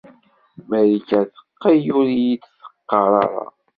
Marika teqqel ur iyi-d-teɣɣar ara.